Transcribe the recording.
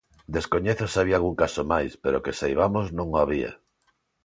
Descoñezo se había algún caso máis, pero que saibamos non o había.